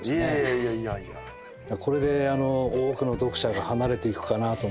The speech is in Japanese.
これで多くの読者が離れていくかなと思うとね。